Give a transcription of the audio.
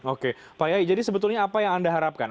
oke pak yai jadi sebetulnya apa yang anda harapkan